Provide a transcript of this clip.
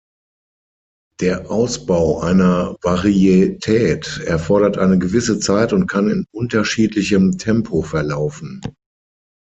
Der Ausbau einer Varietät erfordert eine gewisse Zeit und kann in unterschiedlichem Tempo verlaufen.